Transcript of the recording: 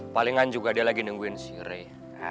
palingan juga dia lagi nungguin si rezeki